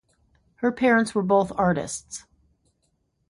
Her parents were both artists.